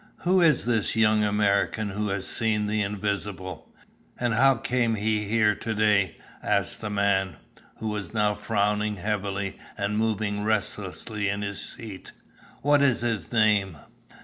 "Who is this young American who has seen the invisible? And how came he here to day?" asked the man, who was now frowning heavily and moving restlessly in his seat. "What is his name?"